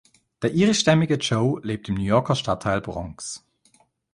Der irischstämmige Joe lebt im New Yorker Stadtteil Bronx.